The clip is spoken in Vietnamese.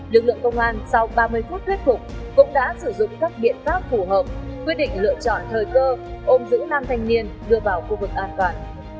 lực lượng công an sau ba mươi phút thuyết phục cũng đã sử dụng các biện pháp phù hợp quyết định lựa chọn thời cơ ôm giữ nam thanh niên đưa vào khu vực an toàn